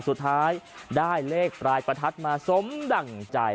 สุดท้ายได้เลขปลายประทัดมาสมดั่งใจ